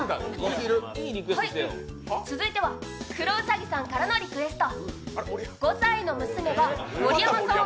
続いては黒うさぎさんからのリクエスト。